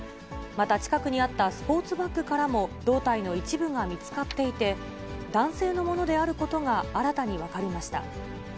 また近くにあったスポーツバッグからも、胴体の一部が見つかっていて、男性のものであることが新たに分かりました。